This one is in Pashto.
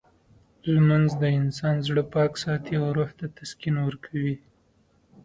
لمونځ د انسان زړه پاک ساتي او روح ته تسکین ورکوي.